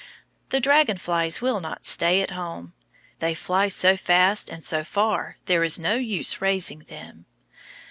The dragon flies will not stay at home. They fly so fast and so far there is no use raising them.